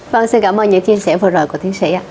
vâng xin cảm ơn những chia sẻ vừa rồi của tiến sĩ ạ